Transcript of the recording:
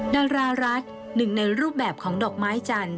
ดารารัฐหนึ่งในรูปแบบของดอกไม้จันท